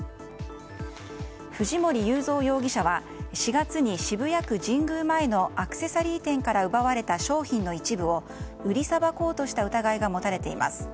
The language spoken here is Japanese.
藤森友三容疑者は４月に渋谷区神宮前のアクセサリー店から奪われた商品の一部を売りさばこうとした疑いが持たれています。